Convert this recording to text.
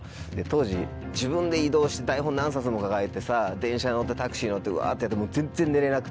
当時自分で移動して台本何冊も抱えてさ電車乗ってタクシー乗ってうわって全然寝れなくて。